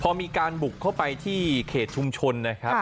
พอมีการบุกเข้าไปที่เขตชุมชนนะครับ